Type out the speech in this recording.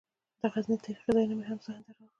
د غزني تاریخي ځایونه مې هم ذهن ته راغلل.